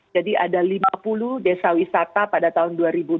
jadi ada lima puluh desa wisata pada tahun dua ribu dua puluh satu